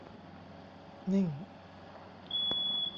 นิ่ง